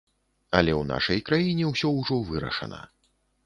Але ў нашай краіне ўсё ўжо вырашана.